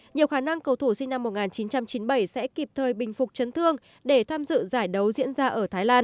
nhiều khả năng cầu thủ sinh năm một nghìn chín trăm chín mươi bảy sẽ kịp thời bình phục chấn thương để tham dự giải đấu diễn ra ở thái lan